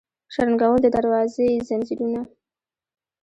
شرنګول د دروازو یې ځنځیرونه